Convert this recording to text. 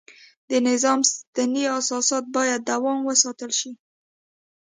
د نظام سنتي اساسات باید دوام وساتل شي.